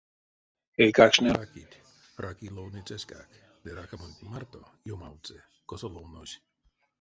Эйкакштне ракить, раки ловныцяськак ды ракамонть марто ёмавтсы, косо ловнось.